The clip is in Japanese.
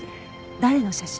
誰の写真？